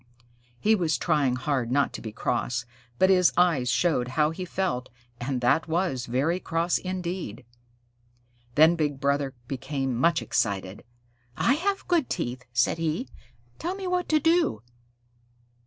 He was trying hard not to be cross, but his eyes showed how he felt, and that was very cross indeed. Then Big Brother became much excited. "I have good teeth," said he, "Tell me what to do."